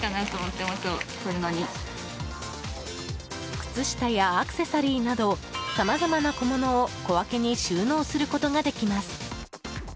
靴下やアクセサリーなどさまざまな小物を小分けに収納することができます。